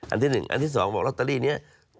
อันที่หนึ่งอันที่สองบอกลอตเตอรี่นี้